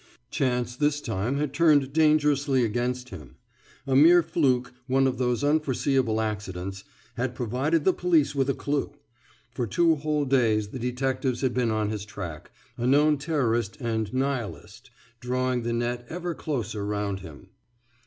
Chance this time had turned dangerously against him. A mere fluke, one of those unforeseeable accidents, had provided the police with a clue; for two whole days the detectives had been on his track, a known terrorist and nihilist, drawing the net ever closer round him.